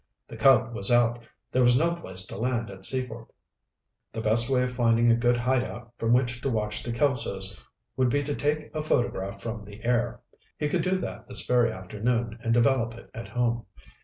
The Cub was out; there was no place to land at Seaford. The best way of finding a good hide out from which to watch the Kelsos would be to take a photograph from the air. He could do that this very afternoon and develop it at home.